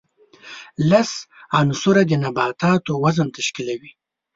لس عنصره د نباتاتو وزن تشکیلوي.